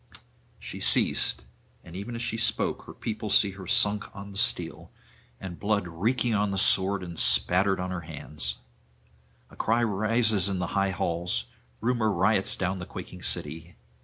She ceased; and even as she spoke her people see her sunk on the steel, and blood reeking on the sword and spattered on her hands. A cry rises in the high halls; Rumour riots down the quaking city.